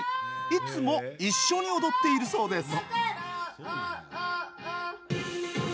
いつも一緒に踊っているそうです。